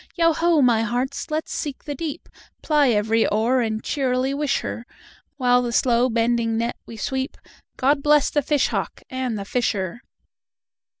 Yo ho, my hearts! let 's seek the deep, Ply every oar, and cheerily wish her, While the slow bending net we sweep,"God bless the fish hawk and the fisher!"